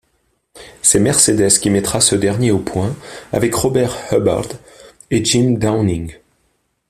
C'est Mercedes qui mettra ce dernier au point avec Robert Hubbard et Jim Downing.